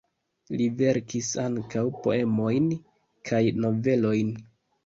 Li verkis ankaŭ poemojn kaj novelojn.